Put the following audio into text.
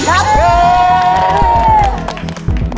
๕๐๐๐บาทครับ